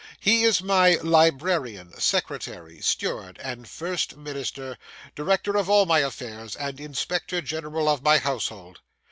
He is my librarian, secretary, steward, and first minister; director of all my affairs, and inspector general of my household.